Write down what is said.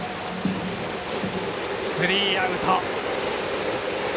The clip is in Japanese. スリーアウト。